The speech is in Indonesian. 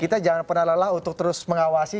kita jangan pernah lelah untuk terus mengawasi